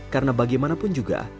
karena bagaimanapun juga